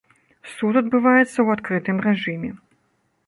Суд адбываецца ў адкрытым рэжыме.